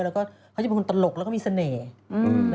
แล้วก็เขาจะเป็นคนตลกแล้วก็มีเสน่ห์